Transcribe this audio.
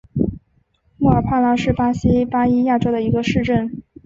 莫尔帕拉是巴西巴伊亚州的一个市镇。